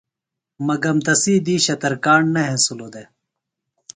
مگم تسی دِیشہ ترکاݨ نہ ہینسِلوۡ دےۡ۔